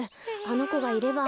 あのこがいれば。